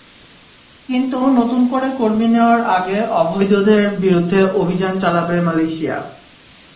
কিন্তু নতুন করে কর্মী নেওয়ার আগে অবৈধদের বিরুদ্ধে অভিযান চালাবে মালয়েশিয়া।